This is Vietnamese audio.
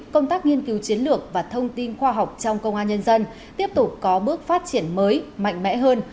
công tác nghiên cứu chiến lược và thông tin khoa học trong công an nhân dân tiếp tục có bước phát triển mới mạnh mẽ hơn